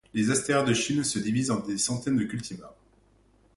Les Asters de Chine se divisent en des centaines de cultivars.